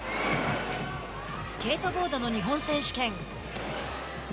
スケートボードの日本選手権。